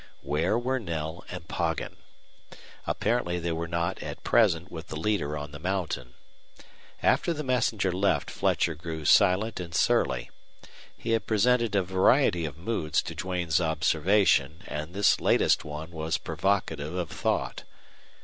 Where were Knell and Poggin? Apparently they were not at present with the leader on the mountain. After the messenger left Fletcher grew silent and surly. He had presented a variety of moods to Duane's observation, and this latest one was provocative of thought.